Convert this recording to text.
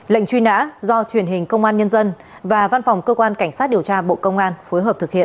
lệnh truy nã do truyền hình công an nhân dân và văn phòng cơ quan cảnh sát điều tra bộ công an phối hợp thực hiện